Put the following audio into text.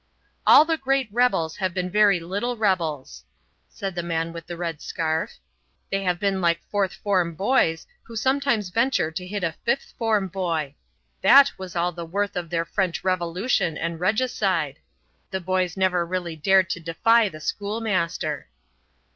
"All the great rebels have been very little rebels," said the man with the red scarf. "They have been like fourth form boys who sometimes venture to hit a fifth form boy. That was all the worth of their French Revolution and regicide. The boys never really dared to defy the schoolmaster."